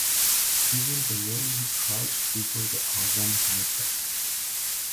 Even the way he crouched before the oven hurt her.